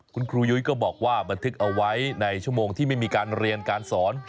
คุณครูยุ้ยก็บอกว่าบันทึกเอาไว้ในชั่วโมงที่ไม่มีการเรียนการสอน